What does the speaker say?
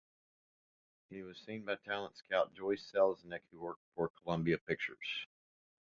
He was seen by talent scout Joyce Selznick, who worked for Columbia Pictures.